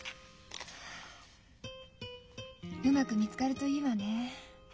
うまく見つかるといいわねえ。